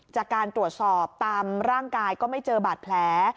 จากการตรวจสอบตามร่างกายก็ไม่เจอบาดแผล